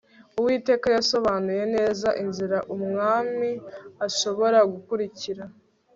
uwiteka yasobanuye neza inzira umwami agomba gukurikiza